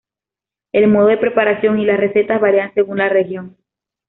El modo de preparación y las recetas varian según la región.